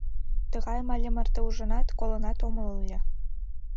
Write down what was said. Тыгайым але марте ужынат, колынат омыл ыле.